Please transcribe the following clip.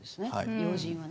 要人はね。